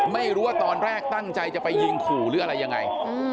ไม่รู้ว่าตอนแรกตั้งใจจะไปยิงขู่หรืออะไรยังไง